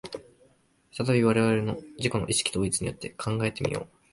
再び我々の自己の意識統一によって考えて見よう。